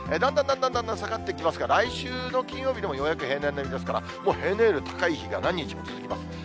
だんだんだんだん下がってきますが、来週の金曜日でも、ようやく平年並みですから、もう平年より高い日が何日も続きます。